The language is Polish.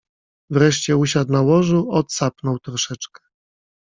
Wreszcie usiadł na łożu, odsapnął troszeczkę